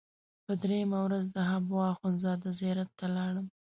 په درېیمه ورځ د حبوا اخندزاده زیارت ته لاړم.